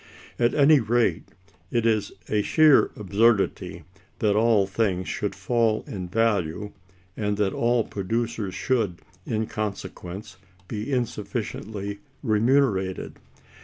At any rate, it is a sheer absurdity that all things should fall in value, and that all producers should, in consequence, be insufficiently remunerated.